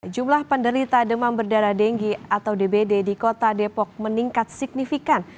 jumlah penderita demam berdarah denge atau dbd di kota depok meningkat signifikan